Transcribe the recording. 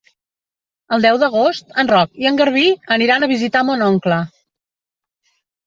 El deu d'agost en Roc i en Garbí aniran a visitar mon oncle.